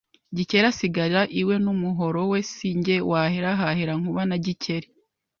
Gikeli asigara iwe n'umuhoro we Si jye wahera hahera Nkuba na Gikeli